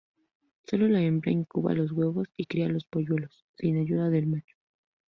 Solo la hembra incuba los huevos y cría los polluelos, sin ayuda del macho.